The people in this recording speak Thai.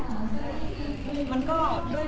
ผมถามว่า๒ล้านตอนนี้คือหนูไม่มี